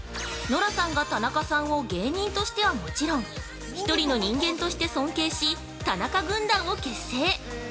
ノラさんが田中さんを芸人としてはもちろん、一人の人間として尊敬し田中軍団を結成。